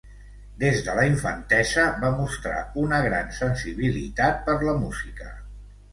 Des de la infantesa va mostrar una gran sensibilitat per la música.